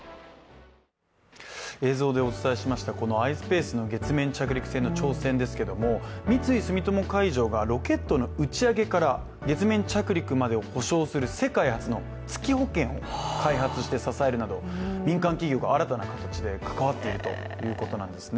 映像でお伝えしましたｉｓｐａｃｅの月面着陸船の挑戦ですけれども、三井住友海上がロケットの打ち上げから月面着陸までを補償する世界初の月保険を開発して支えるなど民間企業が新たな形で関わっているということなんですね。